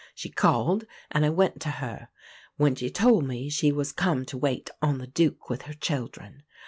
She called and I went to her, when she told me she was come to wait on the Duke with her children.